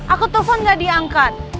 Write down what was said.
aku telfon gak diangkat